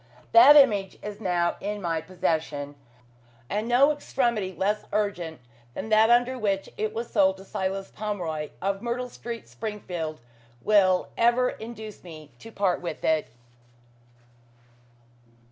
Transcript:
That image is now in my possession, and no extremity less urgent than that under which it was sold to Silas Pomeroy, of Myrtle Street, Springfield, will ever induce me to part with it.